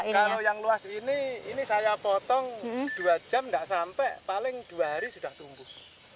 kalau yang luas ini ini saya potong dua jam tidak sampai paling dua hari sudah tumbuh